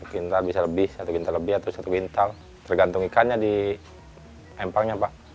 iya satu kintal bisa lebih satu kintal lebih satu kintal tergantung ikannya di empangnya pak